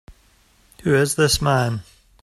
Who is this man?